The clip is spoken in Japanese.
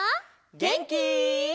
げんき？